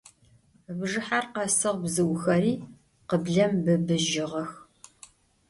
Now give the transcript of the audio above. Bjjıher khesığ, bzıuxeri khıblem bıbıjığex.